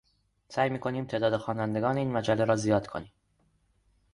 سعی میکنیم تعداد خوانندگان این مجله را زیاد کنیم.